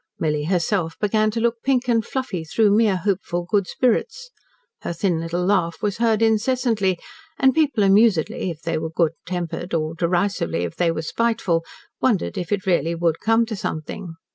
Milly herself began to look pink and fluffy through mere hopeful good spirits. Her thin little laugh was heard incessantly, and people amusedly if they were good tempered, derisively if they were spiteful, wondered if it really would come to something.